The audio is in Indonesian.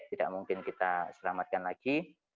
tidak mungkin kita selamatkan lagi